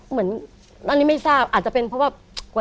เหมือนอันนี้ไม่ทราบอาจจะเป็นเพราะว่า